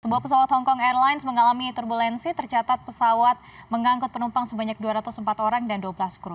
sebuah pesawat hongkong airlines mengalami turbulensi tercatat pesawat mengangkut penumpang sebanyak dua ratus empat orang dan dua belas kru